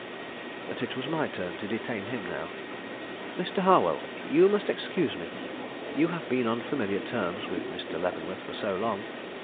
But it was my turn to detain him now. "Mr. Harwell, you must excuse me. You have been on familiar terms with Mr. Leavenworth for so long.